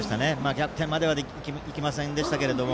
逆転まではいきませんでしたけど